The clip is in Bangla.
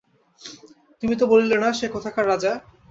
তুমি তো বলিলে না, সে কোথাকার রাজা?